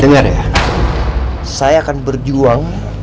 dengar ya saya akan berjuang